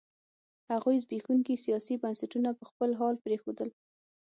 هغوی زبېښونکي سیاسي بنسټونه په خپل حال پرېښودل.